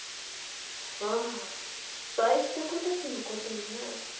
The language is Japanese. ああ失敗した子達のことね